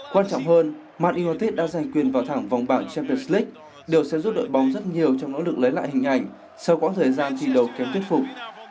quan trọng hơn man utd đã giành quyền vào thẳng vòng bảng champions league điều sẽ giúp đội bóng rất nhiều trong nỗ lực lấy lại hình ảnh sau khoảng thời gian trị đầu kém thuyết phục